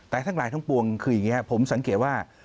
แต่ทั้งหลายทั้งปวงคืออย่างนี้ผมสังเกตว่า